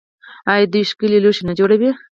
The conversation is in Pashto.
آیا دوی ښکلي لوښي نه جوړوي؟